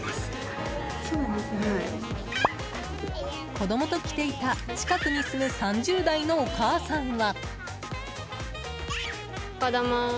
子供と来ていた近くに住む３０代のお母さんは。